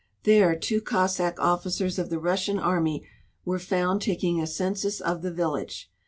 There two Cossack officers of the Russian arm 3^ were found taking a census of the village.